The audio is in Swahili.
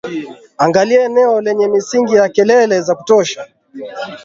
angalia eneo lenye misingi ya kelele za kutosha